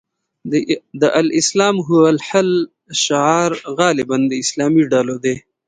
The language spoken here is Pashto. د الاسلام هو الحل شعار غالباً د اسلامي ډلو ده.